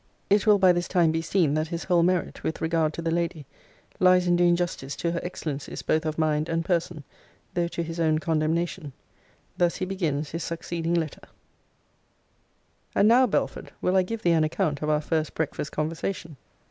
It will by this time be seen that his whole merit, with regard to the Lady, lies in doing justice to her excellencies both of mind and person, though to his own condemnation. Thus he begins his succeeding letter:] And now, Belford, will I give thee an account of our first breakfast conversation.